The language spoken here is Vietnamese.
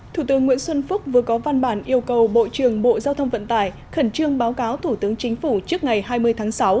thủ tướng nguyễn xuân phúc vừa có văn bản yêu cầu bộ trưởng bộ giao thông vận tải khẩn trương báo cáo thủ tướng chính phủ trước ngày hai mươi tháng sáu